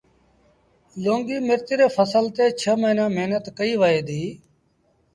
لونگي مرچ ري ڦسل تي ڇه موهيݩآݩ مهنت ڪئيٚ وهي ديٚ